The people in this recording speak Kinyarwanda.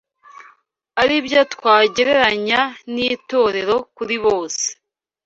ari byo twagereranya n’itorero kuri bose